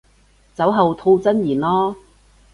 酒後吐真言囉